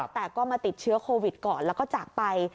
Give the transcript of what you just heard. แต่ก็มาติดเชื้อโควิดก่อนแล้วก็จากไป